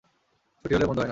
ছুটি হলে মন্দ হয় না।